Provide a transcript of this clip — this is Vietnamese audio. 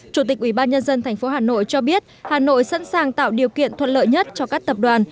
chủ tịch ubnd tp hà nội cho biết hà nội sẵn sàng tạo điều kiện thuận lợi nhất cho các tập đoàn